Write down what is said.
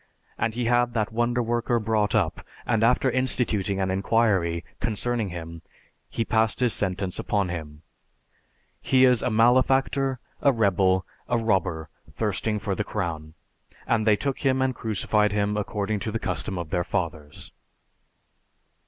And he had that wonder worker brought up, and after instituting an inquiry concerning him, he passed this sentence upon him, 'He is a malefactor, a rebel, a robber thirsting for the crown.' And they took him and crucified him according to the custom of their fathers."